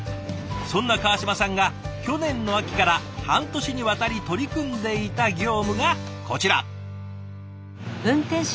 そんな川島さんが去年の秋から半年にわたり取り組んでいた業務がこちら。